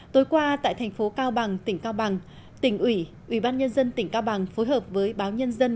tối qua tại thành phố cao bằng tỉnh cao bằng tỉnh ủy ủy ban nhân dân tỉnh cao bằng phối hợp với báo nhân dân